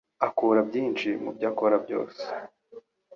Akura byinshi mubyo akora byose.